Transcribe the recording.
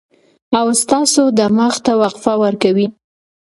او ستاسو دماغ ته وقفه ورکوي